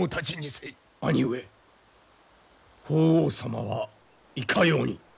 兄上法皇様はいかように。